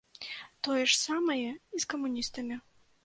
Тое ж самае і з камуністамі.